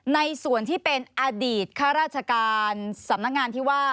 ในส่วนที่เป็นอดีตข้าราชการสำนักงานที่ว่า